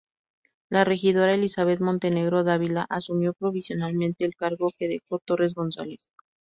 La regidora Elizabeth Montenegro Dávila asumió provisionalmente el cargo que dejó Torres Gonzales.